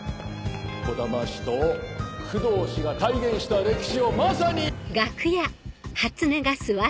児玉と工藤が体現した歴史をまさに。